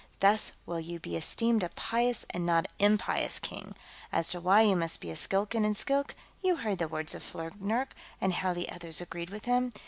Thus will you be esteemed a pious, and not an impious, king. As to why you must be a Skilkan in Skilk, you heard the words of Flurknurk, and how the others agreed with him.